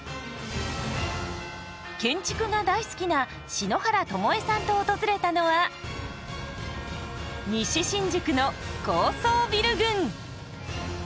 建築が大好きな篠原ともえさんと訪れたのは西新宿の高層ビル群。